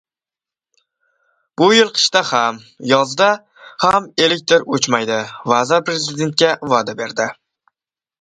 Bu yil qishda ham, yozda ham elektr o‘chmaydi — vazir Prezidentga va’da berdi